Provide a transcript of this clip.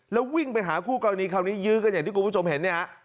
แล้ววิ่งไปหาคู่กรณีคราวนี้ยื้อกันอย่างที่คุณผู้ชมเห็นเนี่ยฮะ